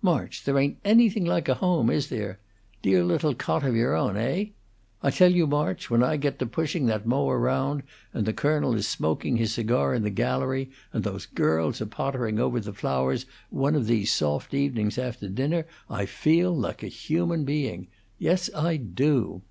March, there ain't anything like a home, is there? Dear little cot of your own, heigh? I tell you, March, when I get to pushing that mower round, and the colonel is smoking his cigar in the gallery, and those girls are pottering over the flowers, one of these soft evenings after dinner, I feel like a human being. Yes, I do.